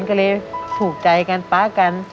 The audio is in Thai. ก็เลยถูกใจกันป๊ากัน